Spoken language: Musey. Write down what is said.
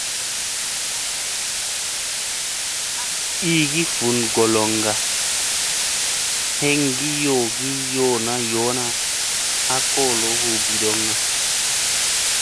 Igi fun goloŋga heengi yoona ha kolo hu bidoŋga.